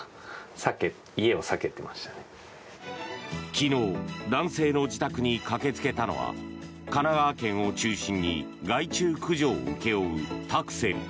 昨日男性の自宅に駆けつけたのは神奈川県を中心に害虫駆除を請け負うＴＡＸＥＬ。